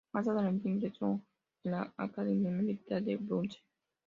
Más adelante, ingresó en la Academia Militar de Frunze.